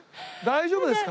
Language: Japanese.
大丈夫。